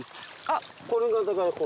これがだから。